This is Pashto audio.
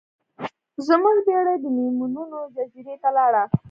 زموږ بیړۍ د میمونونو جزیرې ته لاړه.